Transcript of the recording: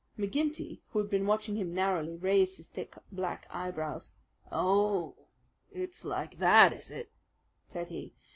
McGinty, who had been watching him narrowly, raised his thick black eyebrows. "Oh, it's like that, is it?" said he.